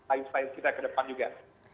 ayu sayus kita ke depan juga